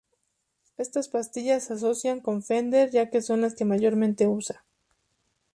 Estas pastillas se asocian con Fender ya que son las que mayormente usa.